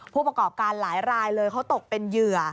ผู้ประกอบการหลายรายเลยเขาตกเป็นเหยื่อ